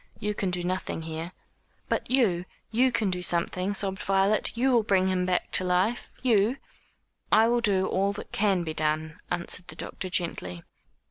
"You can do nothing here." "But you you can do something," sobbed Violet, "you will bring him back to life you " "I will do all that can be done," answered the doctor gently.